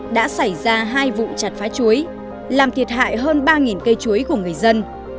đã xảy ra hai vụ chặt phá chuối làm thiệt hại hơn ba cây chuối của người dân